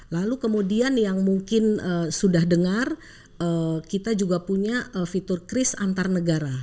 lalu kemudian yang mungkin sudah dengar kita juga punya fitur kris antar negara